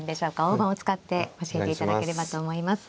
大盤を使って教えていただければと思います。